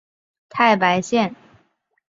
太白线